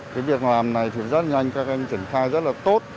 cái việc làm này thì rất là nhanh các anh triển khai rất là tốt